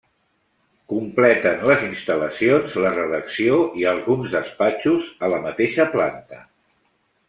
Completen les instal·lacions la redacció i alguns despatxos a la mateixa planta.